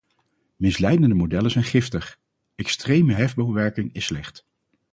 Misleidende modellen zijn giftig; extreme hefboomwerking is slecht.